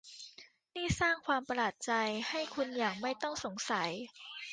นี่สร้างความประหลาดใจให้คุณอย่างไม่ต้องสงสัย